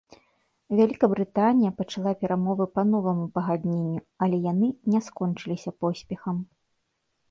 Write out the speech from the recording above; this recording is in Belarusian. Вялікабрытанія пачала перамовы па новаму пагадненню, але яны не скончыліся поспехам.